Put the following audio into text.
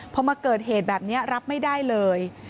พอมาเกิดเหตุแบบนี้รับไม่ได้เลย